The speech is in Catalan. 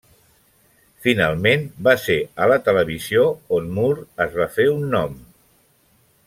Finalment, va ser a la televisió on Moore es va fer un nom.